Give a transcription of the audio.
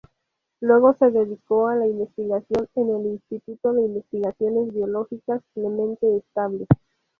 Luego se dedicó a la investigación en el Instituto de Investigaciones Biológicas Clemente Estable.